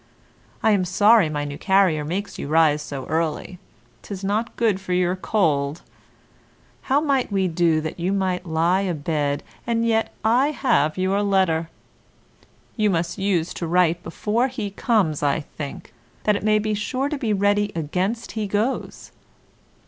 I am sorry my new carrier makes you rise so early, 'tis not good for your cold; how might we do that you might lie a bed and yet I have your letter? You must use to write before he comes, I think, that it may be sure to be ready against he goes.